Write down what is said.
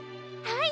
はい！